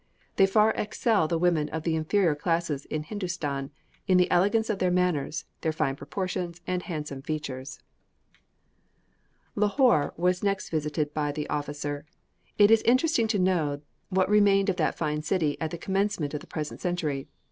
They far excel the women of the inferior classes in Hindustan in the elegance of their manners, their fine proportions, and handsome features." Lahore was next visited by the officer. It is interesting to know what remained of that fine city at the commencement of the present century.